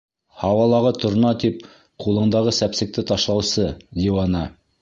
Һауалағы торна тип, ҡулыңдағы сәпсекте ташлаусы диуана!